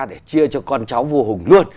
để chia cho con cháu vua hùng luôn